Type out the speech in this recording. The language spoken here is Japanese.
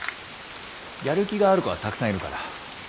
やる気がある子はたくさんいるから。